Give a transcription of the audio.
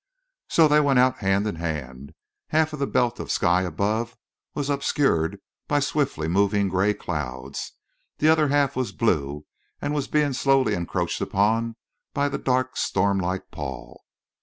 So they went out hand in hand. Half of the belt of sky above was obscured by swiftly moving gray clouds. The other half was blue and was being slowly encroached upon by the dark storm like pall.